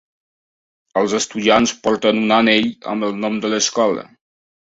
Els estudiants porten un anell amb el nom de l'escola.